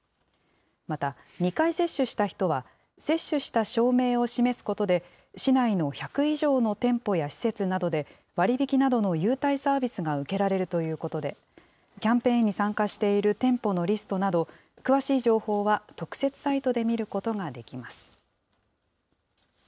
また、２回接種した人は、接種した証明を示すことで、市内の１００以上の店舗や施設などで、割引などの優待サービスが受けられるということで、キャンペーンに参加している店舗のリストなど、詳しい情報は特設サイトで見ることができます。